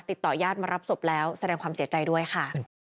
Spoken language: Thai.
ติดต่อญาติมารับศพแล้วแสดงความเสียใจด้วยค่ะ